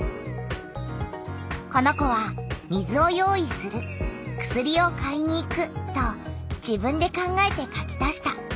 この子は「水を用意する」「薬を買いに行く」と自分で考えて書き足した。